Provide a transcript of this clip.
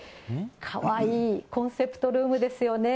かわいいコンセプトルームですよね。